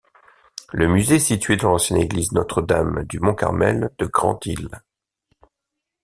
Le musée est situé dans l'ancienne église Notre-Dame du Mont-Carmel de Grand-Isle.